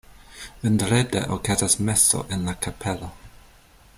Vendrede okazas meso en la kapelo.